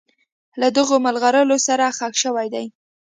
له دغو مرغلرو سره ښخ شوي دي.